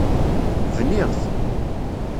Bniɣ-t.